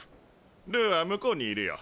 ルーは向こうにいるよ。